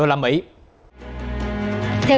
theo đánh giá